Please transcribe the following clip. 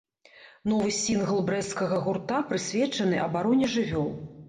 Новы сінгл брэсцкага гурта прысвечаны абароне жывёл.